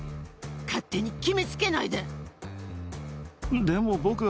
勝手に決めつけないで。